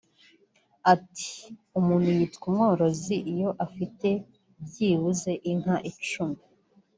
Ati “Umuntu yitwa umworozi iyo afite byibuze inka icumi